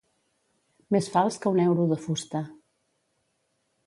Més fals que un euro de fusta.